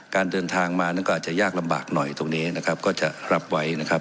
การเดินทางมานั้นก็อาจจะยากลำบากหน่อยตรงนี้นะครับก็จะรับไว้นะครับ